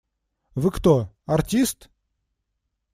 Вы кто? Артист?